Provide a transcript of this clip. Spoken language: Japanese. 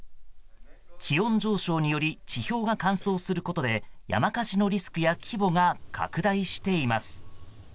気温上昇により地表が乾燥することで山火事のリスクや規模が拡大しています。